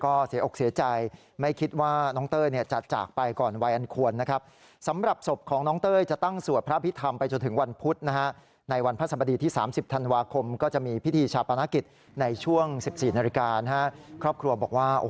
ก็เสียออกเสียใจไม่คิดว่าน้องเต้ยเฉิดจากไปก่อนวัยอันควรนะครับ